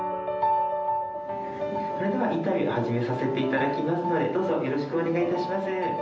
それではインタビュー始めさせていただきますのでどうぞよろしくお願いいたします。